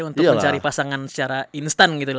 untuk mencari pasangan secara instan gitu